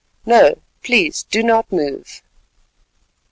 No, please do not move."